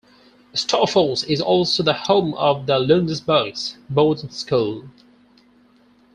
Storfors is also the home of the Lundsbergs boarding school.